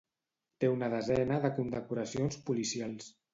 Té una desena de condecoracions policials.